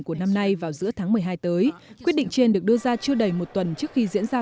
của năm nay vào giữa tháng một mươi hai tới quyết định trên được đưa ra chưa đầy một tuần trước khi diễn ra